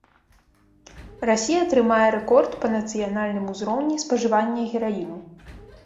Расія трымае рэкорд па нацыянальным узроўні спажывання гераіну.